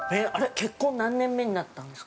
結婚何年目になったんですか。